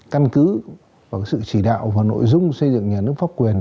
căn cứ vào sự chỉ đạo và nội dung xây dựng nhà nước pháp quyền